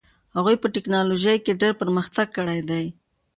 هغوی په ټیکنالوژۍ کې ډېر پرمختګ کړی دي.